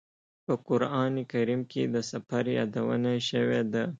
په قران کریم کې د سفر یادونه شوې ده.